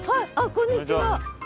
こんにちは。